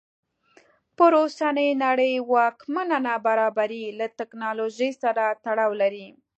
پر اوسنۍ نړۍ واکمنه نابرابري له ټکنالوژۍ سره تړاو لري.